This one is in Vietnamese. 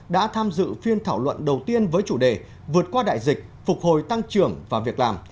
đã tham dự phiên thảo luận đầu tiên với chủ đề vượt qua đại dịch phục hồi tăng trưởng và việc làm